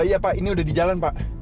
iya pak ini udah di jalan pak